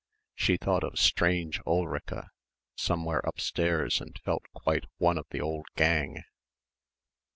She thought of strange Ulrica somewhere upstairs and felt quite one of the old gang.